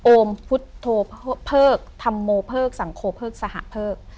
โอมพุทโภเผิกธรรโมเผิกสังโคเผิกสหเผิก